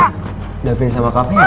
ini david sama kaffi ya kan